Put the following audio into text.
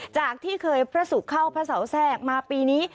จากที่เคยพระศุกร์เข้าพระเสาแทรกมาปีนี้